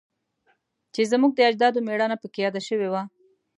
چې زموږ د اجدادو میړانه پکې یاده شوی وه